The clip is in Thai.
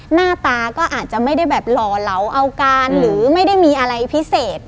หน้าตาก็อาจจะไม่ได้แบบหล่อเหลาเอาการหรือไม่ได้มีอะไรพิเศษ